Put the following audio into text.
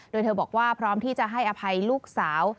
โดยเธอบอกว่าพร้อมที่จะให้อภัยลูกสาว